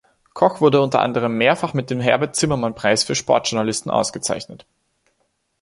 Koch wurde unter anderem mehrfach mit dem Herbert-Zimmermann-Preis für Sportjournalisten ausgezeichnet.